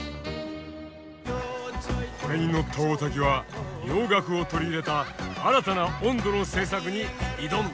これに乗った大瀧は洋楽を取り入れた新たな音頭の制作に挑む。